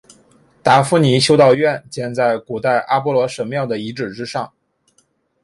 达夫尼修道院建在古代阿波罗神庙的遗址之上。